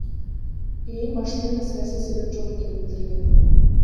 ИИМ башында эле саясий себеп жок экенин билдирген.